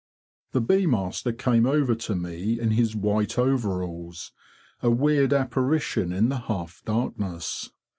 The bee master came over to me in his white overalls, a weird apparition in the half darkness.